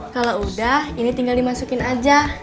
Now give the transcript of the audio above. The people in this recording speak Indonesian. kalau udah ini tinggal dimasukin aja